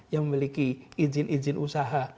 yang memiliki izin izin usaha